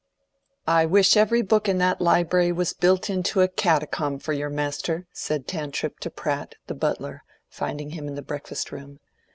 "I wish every book in that library was built into a caticom for your master," said Tantripp to Pratt, the butler, finding him in the breakfast room.